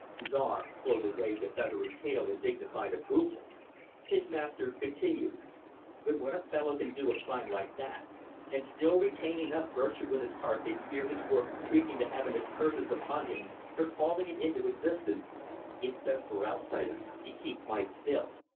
Czar slowly waved a feathery tail in dignified approval. His master continued, "But when a fellow can do a crime like that, and still retain enough virtue in his heart to hear his work shrieking to heaven its curses upon him for calling it into existence, it's best for outsiders to keep quite still.